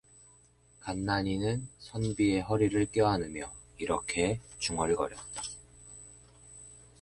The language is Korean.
간난이는 선비의 허리를 껴안으며 이렇게 중얼거렸다.